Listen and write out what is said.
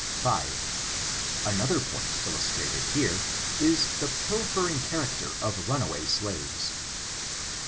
5. Another point illustrated here, is the pilfering character of runaway slaves.